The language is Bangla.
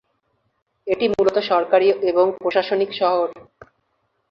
এটি মূলত সরকারি এবং প্রশাসনিক শহর।